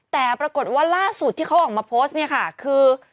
แต่ปรากฏว่าล่าสุดที่เขาออกมาโพสต์คือ